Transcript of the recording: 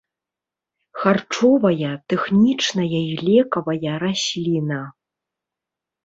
Харчовая, тэхнічная і лекавая расліна.